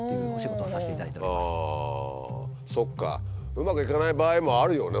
うまくいかない場合もあるよね